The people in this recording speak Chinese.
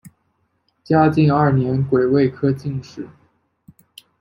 嘉靖二年癸未科进士。